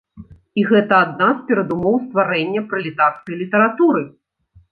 І гэта адна з перадумоў стварэння пралетарскай літаратуры.